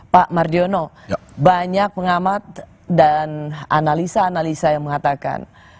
pak mardiono banyak pengamat dan analisa analisa yang mengatakan